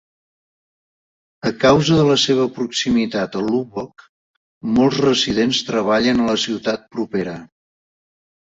A causa de la seva proximitat a Lubbock, molts residents treballen a la ciutat propera.